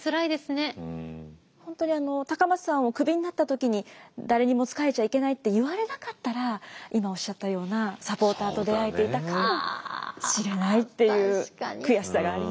本当に高松藩をクビになった時に誰にも仕えちゃいけないって言われなかったら今おっしゃったようなサポーターと出会えていたかもしれないっていう悔しさがありますよね。